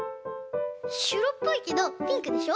しろっぽいけどピンクでしょ？